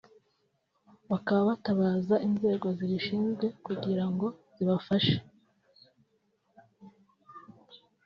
bakaba batabaza inzego zibishinzwe kugira ngo zibafashe